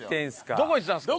どこ行ってたんですか？